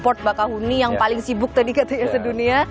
port bakahuni yang paling sibuk tadi katanya sedunia